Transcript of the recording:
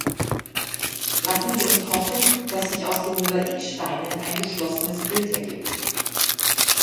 Lassen Sie uns hoffen, dass sich aus den Mosaiksteinen ein geschlossenes Bild ergibt.